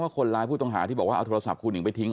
คนร้ายผู้ต้องหาที่บอกว่าเอาโทรศัพท์ครูหิงไปทิ้ง